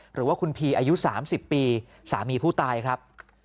หรือว่าคุณพีอายุ๓๐ปีสามีผู้ตายครับ